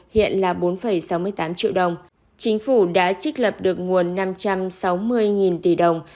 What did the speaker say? hiện là bốn sáu mươi tám triệu đồng chính phủ đã trích lập được nguồn năm trăm sáu mươi tỷ đồng